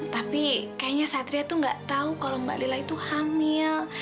tapi kayaknya satria itu gak tau kalau mbalila itu hamil